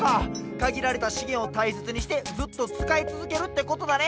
かぎられたしげんをたいせつにしてずっとつかいつづけるってことだね。